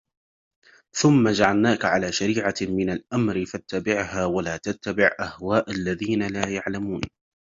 ثُمَّ جَعَلْنَاكَ عَلَى شَرِيعَةٍ مِنَ الْأَمْرِ فَاتَّبِعْهَا وَلَا تَتَّبِعْ أَهْوَاءَ الَّذِينَ لَا يَعْلَمُونَ